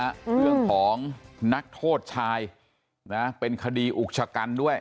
เรื่องของนักโทษชายนะเป็นคดีอุกชะกันด้วย